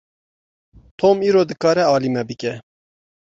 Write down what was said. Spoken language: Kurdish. Tom îro dikare alî me bike.